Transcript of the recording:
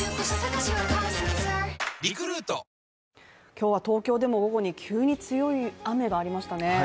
今日は東京でも午後に急に強い雨がありましたね。